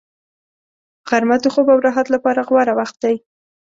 غرمه د خوب او راحت لپاره غوره وخت دی